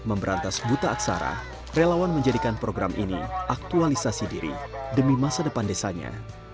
memberantas buta aksara relawan menjadikan program ini aktualisasi diri demi masa depan desanya